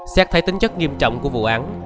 xét thấy tính chất nghiêm trọng của vụ án